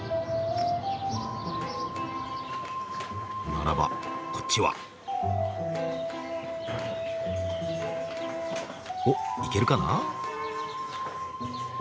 ならばこっちは！おっ行けるかな？